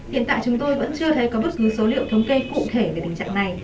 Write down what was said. hiện tại chúng tôi vẫn chưa thấy có bất cứ số liệu thống kê cụ thể về tình trạng này